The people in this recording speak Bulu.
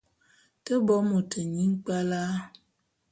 Te bo môt nyi nkpwala.